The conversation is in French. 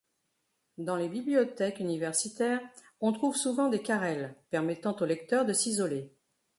Dans les bibliothèques universitaires, on trouve souvent des carrels, permettant au lecteur de s'isoler.